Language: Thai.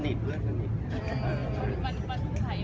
แม่กับผู้วิทยาลัย